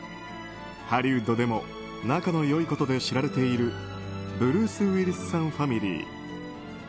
ハリウッドでも仲の良いことで知られているブルース・ウィリスさんファミリー。